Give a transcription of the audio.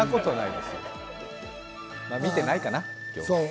まあ、見てないかな、今日は。